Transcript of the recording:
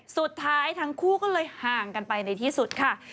สุดท้ายทั้งคู่ก็เลยห่างกันไปในที่สุดค่ะ